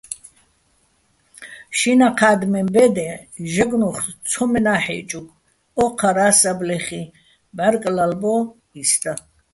შინაჴ ადმეჼ ბე́დეჼ ჟაგნო́ხ ცომენა́ ჰ̦ე́ჭუგე̆, ო́ჴარა́, საბლეხიჼ ბჵარკ ლალბო́ჲ, ის და.